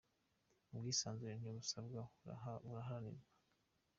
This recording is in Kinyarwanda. Ubwisanzure ntibusabwa buraharanirwa